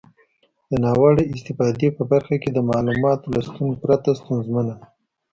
د ناوړه استفادې په برخه کې د معلوماتو له شتون پرته ستونزمنه ده.